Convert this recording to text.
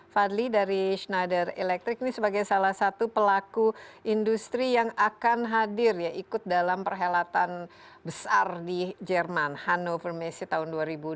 fadli dari schneider electric ini sebagai salah satu pelaku industri yang akan hadir ya ikut dalam perhelatan besar di jerman hannover messe tahun dua ribu dua puluh